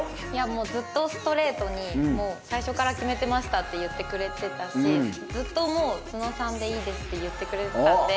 もうずっとストレートに「最初から決めてました」って言ってくれてたしずっともう「津野さんでいいです」って言ってくれてたので。